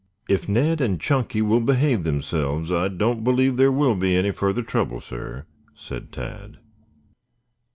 "If Ned and Chunky will behave themselves, I don't believe there will be any further trouble, sir," said Tad.